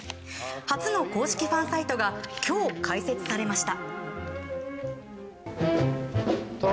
初の公式ファンサイトが今日、開設されました。